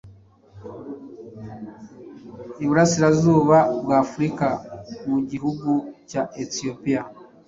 Iburasirazuba bwa Afurika mu gihugu cya Ethiopia.